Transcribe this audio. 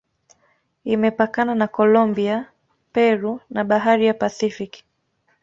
Imepakana na Kolombia, Peru na Bahari ya Pasifiki.